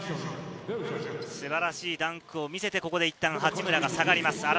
素晴らしいダンクを見せて、ここでいったん八村が下がります。